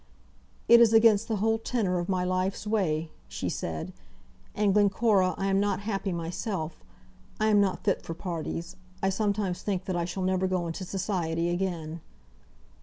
"It is against the whole tenor of my life's way," she said, "And, Glencora, I am not happy myself. I am not fit for parties. I sometimes think that I shall never go into society again."